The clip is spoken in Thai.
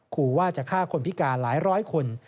ขู่ว่าจะฆ่าคนพิการหลายร้อยคน